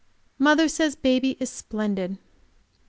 Mother says baby is splendid.